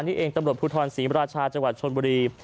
นี่เองตำรวจภูทรศรีมราชาจังหวัดชนบุรี